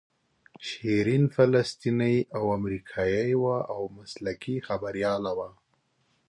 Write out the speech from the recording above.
شیرین فلسطینۍ او امریکایۍ وه او مسلکي خبریاله وه.